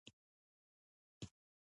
په سیندونو کې هم مالګینې چینې وي.